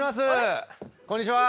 こんにちは！